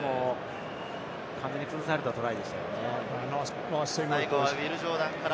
完全に崩されたトライでしたね。